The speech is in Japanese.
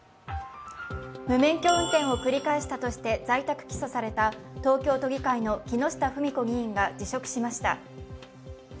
無免許運転を繰り返したとして在宅起訴された東京都議会の木下富美子議員が辞職しました。